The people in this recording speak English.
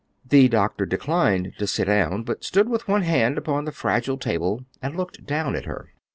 The doctor declined to sit down, but stood with one hand upon the fragile table and looked down at her.